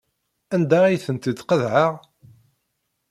Anda ay tent-id-tqeḍɛeḍ?